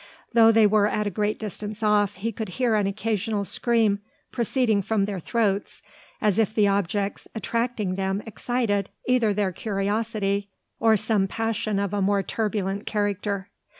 Though they were at a great distance off, he could hear an occasional scream proceeding from their throats: as if the object attracting them excited either their curiosity or some passion of a more turbulent character.